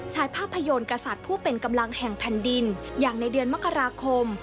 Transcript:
ภาพยนตร์กษัตริย์ผู้เป็นกำลังแห่งแผ่นดินอย่างในเดือนมกราคม